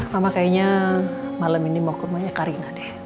mama kayaknya malam ini mau ke rumahnya karina deh